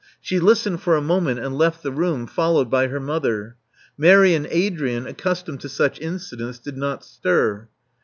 She listened for a moment, and left the room, followed by her mother. Mary and Adrian, accustomed to such incidents, did not stir.